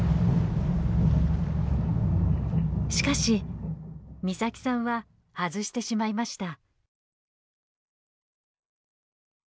しかし岬さんは外してしまいました。